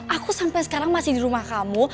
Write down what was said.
aku sampai sekarang masih di rumah kamu